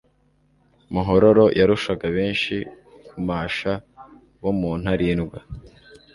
muhororo yarushaga benshi kumasha bo mu Ntarindwa.